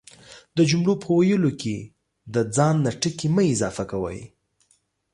د جملو په ويلو کی دا ځان نه ټکي مه اضافه کوئ،